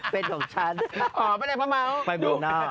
เป็นของฉันอ๋อป้าแดงป้าเมาท์ไปเมืองนอก